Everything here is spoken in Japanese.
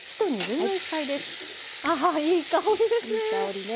いい香りですね。